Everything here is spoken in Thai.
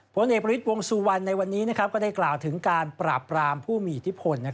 ผลเอกประวิทย์วงสุวรรณในวันนี้ก็ได้กล่าวถึงการปราบรามผู้มีอิทธิพล